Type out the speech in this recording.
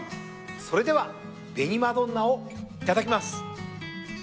それでは紅まどんなをいただきます。